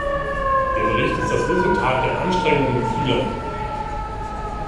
Der Bericht ist das Resultat der Anstrengungen vieler.